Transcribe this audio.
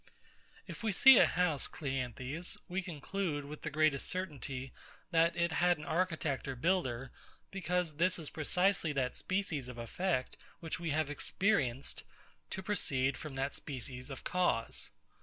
If we see a house, CLEANTHES, we conclude, with the greatest certainty, that it had an architect or builder; because this is precisely that species of effect which we have experienced to proceed from that species of cause.